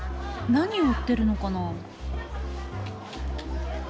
何売ってるのかな。